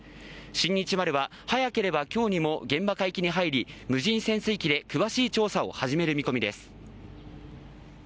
「新日丸」は早ければ今日にも現場海域に入り無人潜水機で詳しい調査を始める見込みです。